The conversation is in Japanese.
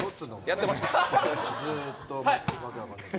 やってました？